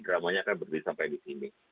dramanya akan berhenti sampai disini